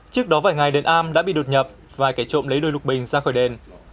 trước đó vài ngày đến am đã bị đột nhập vài kẻ trộm lấy đôi lục bình ra khỏi đền